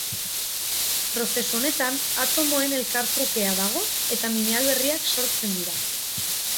Prozesu honetan atomoen elkartrukea dago eta mineral berriak sortzen dira.